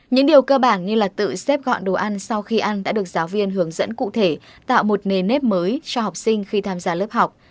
những điều cơ bản như là tự xếp gọn đồ ăn sau khi ăn đã được giáo viên hướng dẫn cụ thể tạo một nền nếp mới cho học sinh khi tham gia lớp học